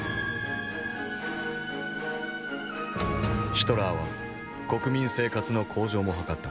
ヒトラーは国民生活の向上も図った。